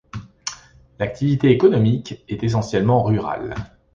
L'activité économique est essentiellement rurale.